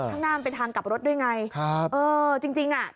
ข้างหน้ามันเป็นทางกลับรถด้วยไงครับเออจริงจริงอ่ะ